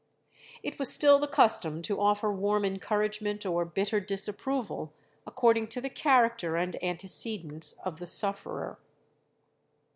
It was still the custom to offer warm encouragement or bitter disapproval, according to the character and antecedents of the sufferer.